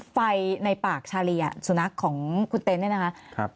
ไฟในปากชาลีสุนัขของคุณเต้นนะครับ